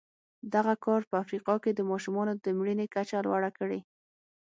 دغه کار په افریقا کې د ماشومانو د مړینې کچه لوړه کړې.